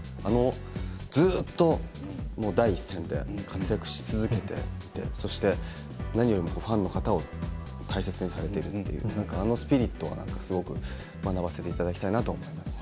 ずっと第一線で活躍し続けていてそして何よりもファンの方を大切にされているのであのスピリットはすごく学ばせていただきたいなと思います。